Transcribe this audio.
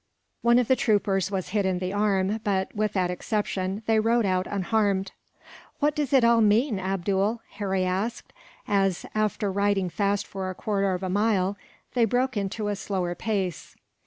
One of the troopers was hit in the arm but, with that exception, they rode out unharmed. "What does it all mean, Abdool?" Harry asked as, after riding fast for a quarter of a mile, they broke into a slower pace.